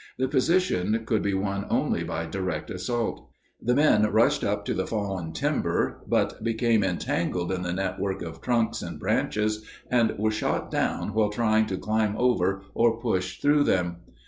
The position could be won only by direct assault. The men rushed up to the fallen timber, but became entangled in the network of trunks and branches, and were shot down while trying to climb over or push through them.